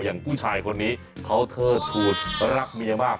อย่างผู้ชายคนนี้เขาเทิดทูดรักเมียมาก